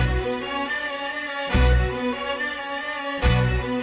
เพลงได้ให้ล้าน